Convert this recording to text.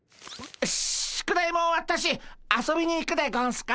宿題も終わったし遊びに行くでゴンスか。